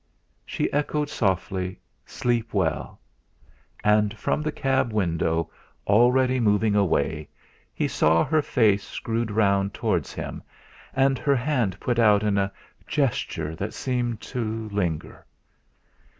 She echoed softly: "Sleep well" and from the cab window, already moving away, he saw her face screwed round towards him, and her hand put out in a gesture which seemed to linger.